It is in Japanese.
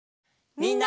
みんな！